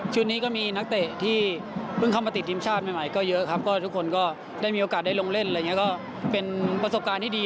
นี้ก็มีนักเตะที่เพิ่งเข้ามาติดทีมชาติใหม่ก็เยอะครับก็ทุกคนก็ได้มีโอกาสได้ลงเล่นอะไรอย่างนี้ก็เป็นประสบการณ์ที่ดี